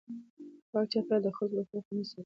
پاک چاپېریال د خلکو روغتیا خوندي ساتي.